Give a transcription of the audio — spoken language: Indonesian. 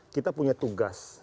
kita punya tugas